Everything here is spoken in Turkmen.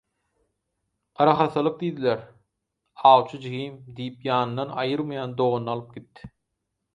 Garahassalyk diýdiler, «awçy jigim» diýip ýanyndan aýyrmaýan doganyny alyp gitdi.